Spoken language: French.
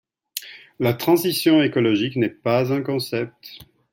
La transition écologique n’est pas un concept.